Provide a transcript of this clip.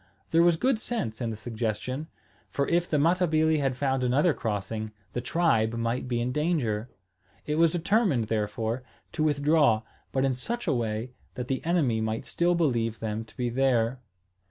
There was good sense in the suggestion; for if the Matabili had found another crossing, the tribe might be in danger. It was determined, therefore, to withdraw, but in such a way that the enemy might still believe them to be there.